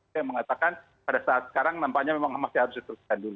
saya mengatakan pada saat sekarang nampaknya memang masih harus diteruskan dulu